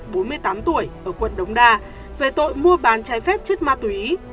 bùi thị lê hằng bốn mươi tám tuổi ở quận đống đa về tội mua bán trái phép chất ma túy